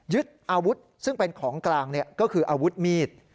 อาวุธซึ่งเป็นของกลางก็คืออาวุธมีด